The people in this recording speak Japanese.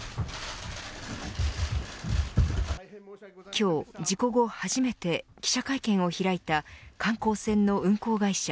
今日、事故後初めて記者会見を開いた観光船の運航会社